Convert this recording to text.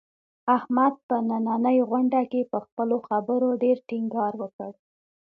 احمد په نننۍ غونډه کې، په خپلو خبرو ډېر ټینګار وکړ.